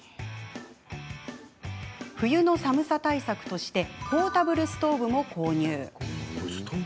冬の寒さ対策としてポータブルストーブも購入。